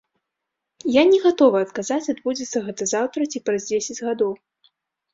Я не гатовы адказаць, адбудзецца гэта заўтра ці праз дзесяць гадоў.